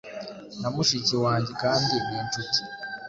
Na mushiki wanjyekandi ni nshuti.